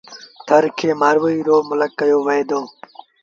ٿر کي مآرويٚ رو ملڪ ڪهيو وهي دو۔